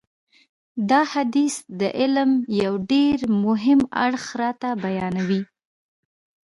دا حدیث د علم یو ډېر مهم اړخ راته بیانوي.